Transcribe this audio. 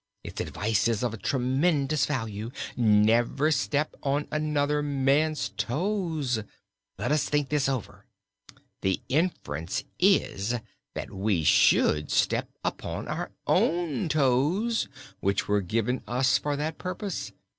Its advice is of tremendous value. 'Never step on another man's toes.' Let us think this over. The inference is that we should step upon our own toes, which were given us for that purpose.